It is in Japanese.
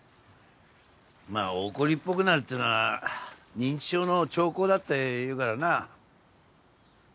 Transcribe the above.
まあ怒りっぽくなるっていうのは認知症の兆候だっていうからなぁ。